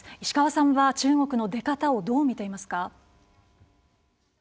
石川さんは中国の出方をどう見ていますか。